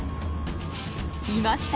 いました。